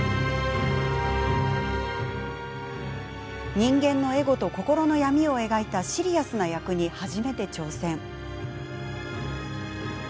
人間のエゴと心の闇を描いたシリアスな役に、初めて挑戦。